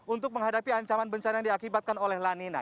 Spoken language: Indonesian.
untuk menghadapi ancaman bencana yang diakibatkan oleh lanina